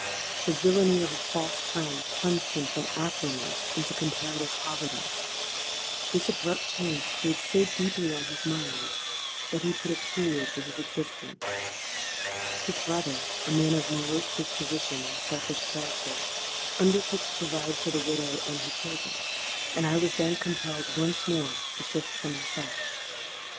The villany of a false friend plunged him from affluence into comparative poverty. This abrupt change preyed so deeply on his mind, that he put a period to his existence. His brother—a man of morose disposition and selfish character—undertook to provide for the widow and her children; and I was then compelled once more to shift for myself.